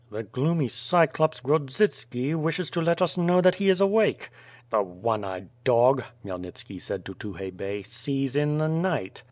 "The gloomy cyclops, Grodzitski wishes to let us know that he is awake." "The one eyed dog!" Khymelnitski said to Tukhay Bey, "sees in the night."